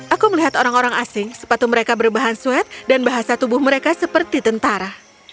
aku melihat orang orang asing sepatu mereka berbahan sweet dan bahasa tubuh mereka seperti tentara